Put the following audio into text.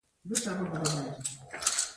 د جعفری ګل د پښتورګو لپاره وکاروئ